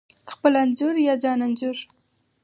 خپل انځور یا ځان انځور: